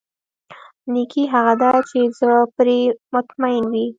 نېکي هغه ده چې زړه پرې مطمئن وي.